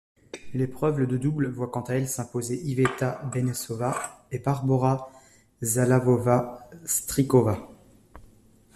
L'épreuve de double voit quant à elle s'imposer Iveta Benešová et Barbora Záhlavová Strýcová.